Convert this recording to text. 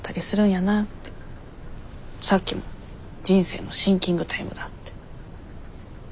さっきも人生のシンキングタイムだって。